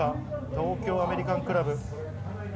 東京アメリカンクラブ。